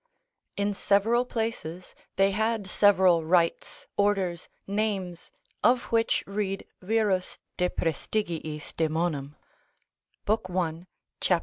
In several places, they had several rites, orders, names, of which read Wierus de praestigiis daemonum, lib. 1. cap.